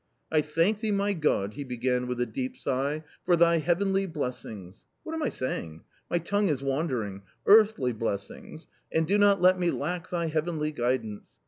" I thank thee, my God," he began with a deep sigh, " for Thy heavenly blessings What am I saying ! my tongue is wandering — earthly blessings, and do not let me lack Thy heavenly guidance."